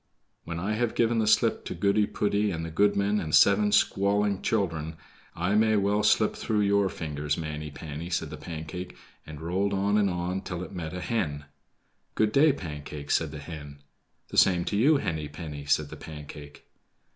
"When I have given the slip to Goody poody, and the goodman, and seven squalling children, I may well slip through your fingers, Manny panny," said the Pancake, and rolled on and on till it met a hen. "Good day, Pancake," said the hen. "The same to you, Henny penny," said the Pancake.